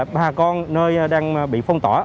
bà con nơi đang bị phong tỏa